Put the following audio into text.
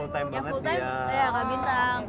biasanya kan udah full time banget